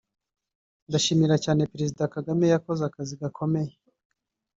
ndashimira cyane Perezida Kagame yakoze akazi gakomeye